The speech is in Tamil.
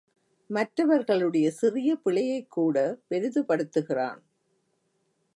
மற்றவர்களுடைய சிறிய பிழையைக்கூட பெரிதுபடுத்துகிறான்.